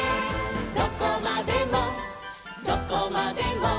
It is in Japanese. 「どこまでもどこまでも」